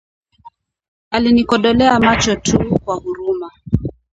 Alinikodolea macho tu kwa huruma